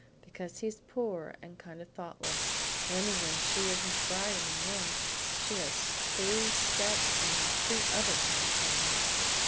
"Because he's poor and kind of thoughtless, and anyway she isn't a bride any more; she has three step and three other kind of children."